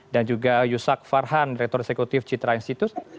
dan juga yusak farhan direktur eksekutif citra institute